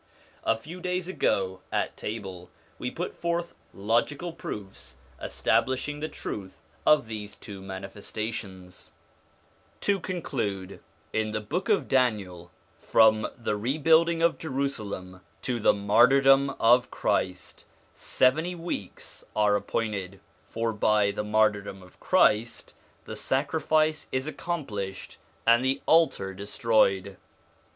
A few days ago, at table, we put forth logical proofs establishing the truth of these two Manifestations. 48 SOME ANSWERED QUESTIONS To conclude: in the Book of Daniel, 1 from the rebuilding of Jerusalem to the martyrdom of Christ, seventy weeks are appointed; for by the martyrdom of Christ the sacrifice is accomplished and the altar destroyed.